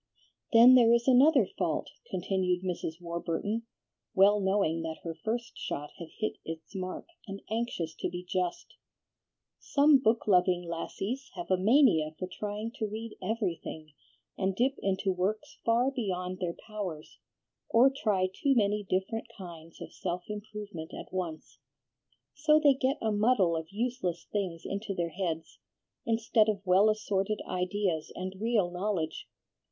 "Then there is another fault," continued Mrs. Warburton, well knowing that her first shot had hit its mark, and anxious to be just. "Some book loving lassies have a mania for trying to read everything, and dip into works far beyond their powers, or try too many different kinds of self improvement at once. So they get a muddle of useless things into their heads, instead of well assorted ideas and real knowledge.